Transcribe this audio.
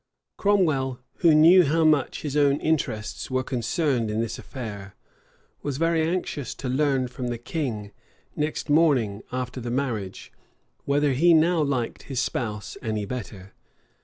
Cromwell, who knew how much his own interests were concerned in this affair, was very anxious to learn from the king, next morning after the marriage, whether he now liked his spouse any better.